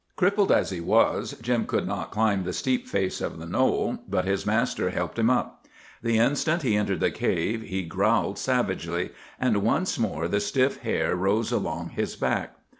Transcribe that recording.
Crippled as he was, Jim could not climb the steep face of the knoll, but his master helped him up. The instant he entered the cave he growled savagely, and once more the stiff hair rose along his back.